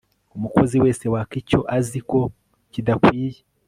umukozi wese waka icyo azi ko kidakwiye